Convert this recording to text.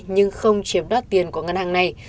nhưng không chiếm đoát tiền của ngân hàng này